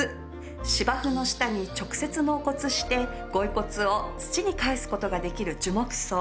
芝生の下に直接納骨してご遺骨を土に還す事ができる樹木葬。